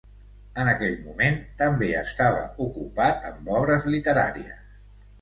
En aquell moment, també estava ocupat amb obres literàries.